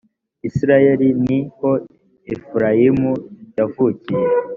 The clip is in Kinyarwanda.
isirayeli ni ho efurayimu yavukiye.